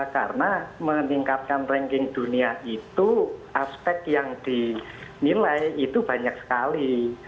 karena meningkatkan ranking dunia itu aspek yang dinilai itu banyak sekali